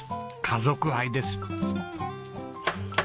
家族愛です。